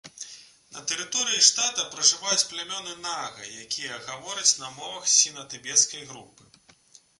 На тэрыторыі штата пражываюць плямёны нага, якія гавораць на мовах сіна-тыбецкай групы.